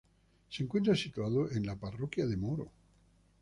Se encuentra situado en la parroquia de Moro.